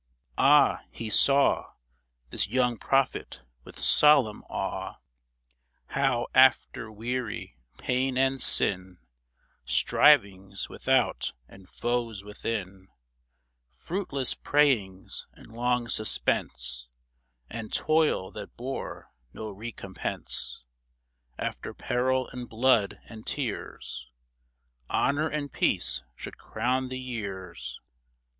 Ah ! he saw — This young prophet, with solemn awe — lOO THE DEAD CENTURY How, after weary pain and sin, Strivings without and foes within, Fruitless prayings and long suspense, And toil that bore no recompense — After peril and blood and tears, Honor and Peace should crown the years